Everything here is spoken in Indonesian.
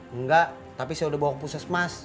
enggak tapi saya udah bawa ke pusat mas